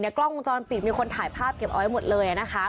กล้องโลงจอปิดมีคนถ่ายภาพเก็บโอไ้หมดเลย